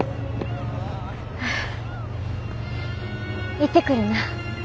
行ってくるな。